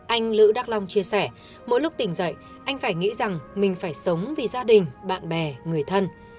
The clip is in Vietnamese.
anh lữ đắc long chia sẻ mỗi lúc tỉnh dậy anh phải nghĩ rằng mình phải sống vì gia đình bạn bè người thân